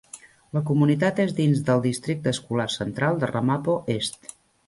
La comunitat és dins del districte escolar central de Ramapo Est.